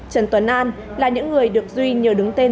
trần tuấn an là những người được duy nhờ đứng tên